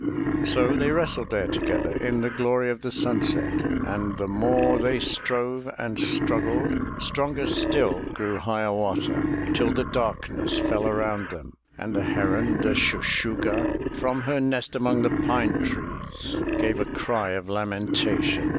So they wrestled there together In the glory of the sunset, And the more they strove and struggled, Stronger still grew Hiawatha; Till the darkness fell around them, And the heron, the Shuh shuh'gah, From her nest among the pine trees. Gave a cry of lamentation.